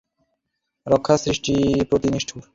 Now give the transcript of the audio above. রক্ষার প্রতি সৃষ্টি নিষ্ঠুর, সৃষ্টির প্রতি রক্ষা বিঘ্ন।